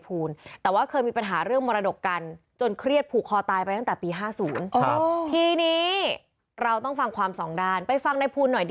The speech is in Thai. ปล่อยมือตรงนี้ฉันก็เลยได้โอกาสวิ่งรอบ